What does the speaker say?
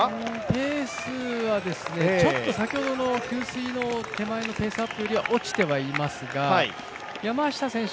ペースはちょっと先ほどの給水の手前のペースアップより落ちてはいますが山下選手